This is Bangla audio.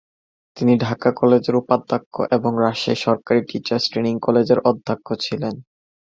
তিনি ঢাকা কলেজের উপাধ্যক্ষ এবং রাজশাহী সরকারি টিচার্স ট্রেনিং কলেজের অধ্যক্ষ ছিলেন।